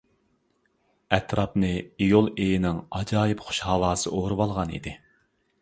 ئەتراپنى ئىيۇل ئېيىنىڭ ئاجايىپ خۇش ھاۋاسى ئورىۋالغانىدى.